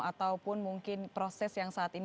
ataupun mungkin proses yang diperlukan